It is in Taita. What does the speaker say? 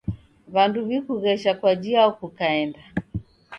W'andu w'ikughesha kwa jiao kukaenda?